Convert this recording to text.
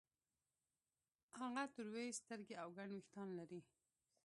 هغه تروې سترګې او ګڼ وېښتان لرل